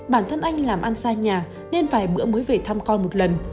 bản thân anh làm ăn xa nhà nên vài bữa mới về thăm con một lần